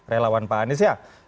relawan pak anies ya